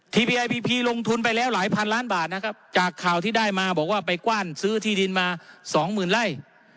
ทีวีไอพีพีลงทุนไปแล้วหลายพันล้านบาทนะครับจากข่าวที่ได้มาบอกว่าไปกว้านซื้อที่ดินมาสองหมื่นไร่